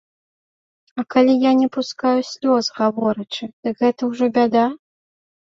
А калі я не пускаю слёз, гаворачы, дык гэта ўжо бяда?